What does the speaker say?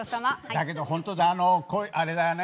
だけど本当あれだね。